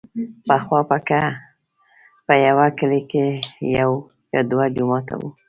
پخوا به که په يوه کلي کښې يو يا دوه جوماته وو.